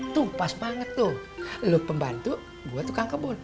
tuh pas banget tuh lu pembantu gue tuh kakak bohong